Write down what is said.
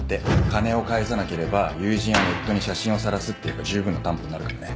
「金を返せなければ友人やネットに写真をさらす」って言えば十分な担保になるからね。